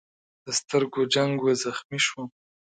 د سترګو جنګ و، زخمي شوم.